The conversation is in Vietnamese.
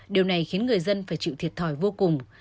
điều này khiến người dân phải chịu thiệt thòi vô cùng